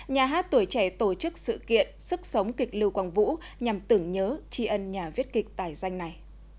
nhà hát tuổi trẻ tổ chức sự kiện sức sống kịch lưu quang vũ nhằm tưởng nhớ tri ân nhà viết kịch tài danh này